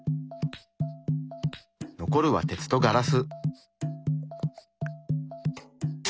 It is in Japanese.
残るは鉄とガラス。